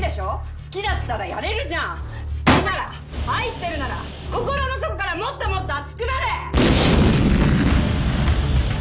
好きだったらやれるじゃん好きなら愛してるなら心の底からもっともっと熱くなれ！